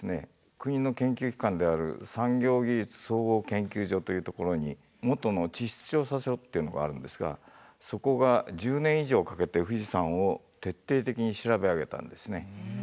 国の研究機関である産業技術総合研究所というところに元の地質調査所というのがあるんですがそこが１０年以上かけて富士山を徹底的に調べ上げたんですね。